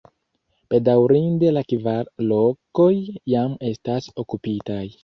Bedaŭrinde la kvar lokoj jam estas okupitaj.